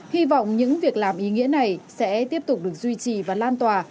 hy vọng những việc làm ý nghĩa này sẽ tiếp tục được duy trì và lan tỏa